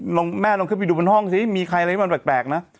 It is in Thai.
อ่ะลองแม่ลองเข้าไปดูบนห้องซิเฮ้ยมีใครอะไรมันแปลกแปลกนะ